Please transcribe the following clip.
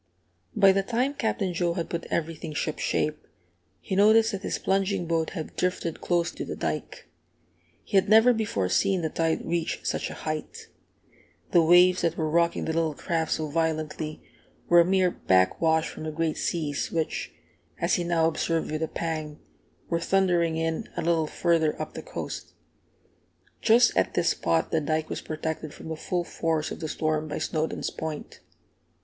By the time Captain Joe had put everything shipshape, he noticed that his plunging boat had drifted close to the dike. He had never before seen the tide reach such a height. The waves that were rocking the little craft so violently, were a mere back wash from the great seas which, as he now observed with a pang, were thundering in a little further up the coast. Just at this spot the dike was protected from the full force of the storm by Snowdons' Point.